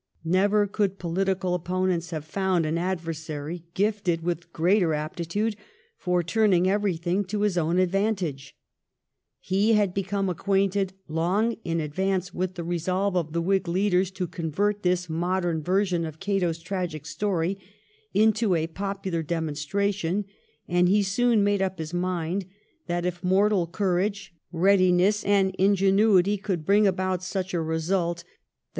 Never could political opponents have found an adversary gifted with greater aptitude for turning everything to his own advantage. He had become acquainted long in advance with the resolve of the Whig leaders to convert this modern version of Cato's tragic story into a popular demonstration, and he soon made up his mind that if mortal courage, readiness, and ingenuity could bring about such a result, the 284 THE REIGN OF QUEEN ANNE.